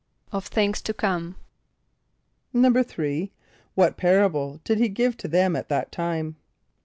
=Of things to come.= =3.= What parable did he give to them at that time?